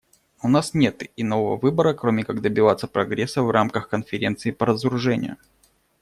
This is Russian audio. У нас нет иного выбора, кроме как добиваться прогресса в рамках Конференции по разоружению.